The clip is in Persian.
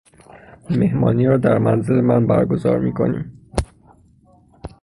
مهمانی را در منزل من برگزار میکنیم.